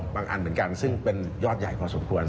อันเหมือนกันซึ่งเป็นยอดใหญ่พอสมควร